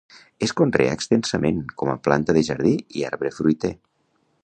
Es conrea extensament com a planta de jardí i arbre fruiter.